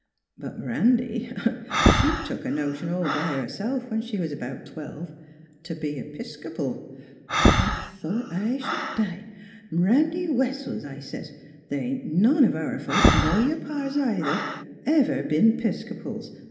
But M 'randy, she took a notion all by herself, when she was 'bout twelve, t' be a 'Piscopal. I thought I sh'd die. ' M 'randy Wessels,' I sez, ' the ain't none of our folks nor your pa's neither, ever b'en 'Piscopals.